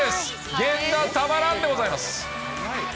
源田、たまらんでございます。